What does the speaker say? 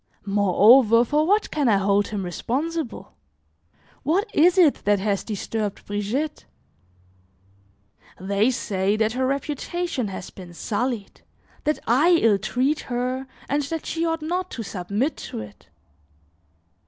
Moreover, for what can I hold him responsible? What is it that has disturbed Brigitte? They say that her reputation has been sullied, that I ill treat her and that she ought not to submit to it.